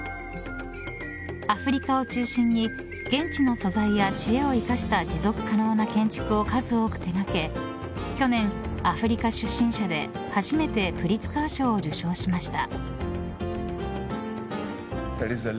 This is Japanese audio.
アフリカを中心に現地の素材や知恵を生かした持続可能な建築を数多く手がけ去年、アフリカ出身者で初めてプリツカー賞を受賞しました。